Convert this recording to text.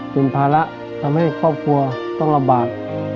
ถือนกันนั้นไม่ว่าคว่าความภาระพ่อต้องร่ำบาก